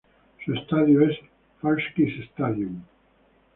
Su estadio es Falkirk Stadium.